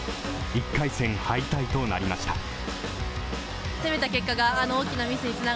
１回戦敗退となりました。